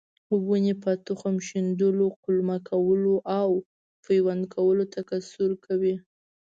ونې په تخم شیندلو، قلمه کولو او پیوند کولو تکثیر کوي.